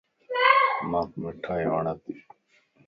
مانک مٺائي وڙتي